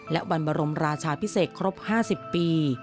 และวันบรมราชาพิเศษครบ๕๐ปี